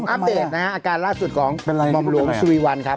อัปเดตนะครับอาการล่าสุดของหม่อมโรงสุริวัลครับ